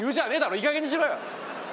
いいかげんにしろよ！